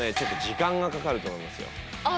時間がかかると思いますよ。